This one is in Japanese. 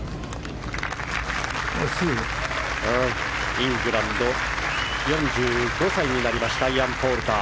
イングランド４５歳になりましたイアン・ポールター。